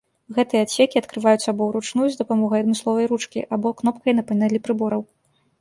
Гэтыя адсекі адкрываюцца або ўручную з дапамогай адмысловай ручкі, або кнопкай на панелі прыбораў.